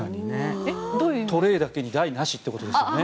トレーだけに台なしということですよね。